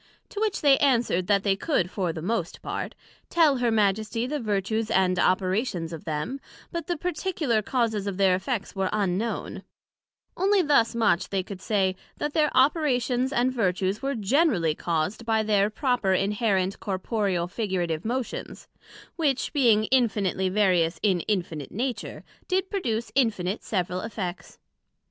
To which they answered, that they could, for the most part, tell her Majesty the vertues and operations of them, but the particular causes of their effects were unknown; onely thus much they could say, that their operations and vertues were generally caused by their proper inherent, corporeal, figurative motions, which being infinitely various in Infinite Nature, did produce infinite several effects.